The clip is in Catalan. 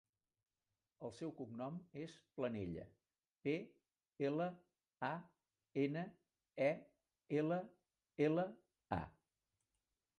El seu cognom és Planella: pe, ela, a, ena, e, ela, ela, a.